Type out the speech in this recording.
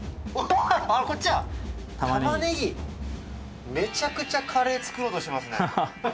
あっ、こっちはタマネギ、めちゃくちゃカレー作ろうとしてますね。